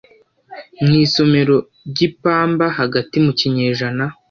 mu isomero ryipamba hagati mu kinyejana